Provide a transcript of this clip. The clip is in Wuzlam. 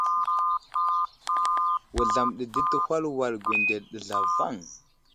Wuzlam ɗi di təhwal wal gwendele ɗi zlavaŋ.